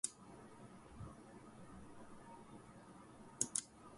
This may require changes in curricula and teaching methods.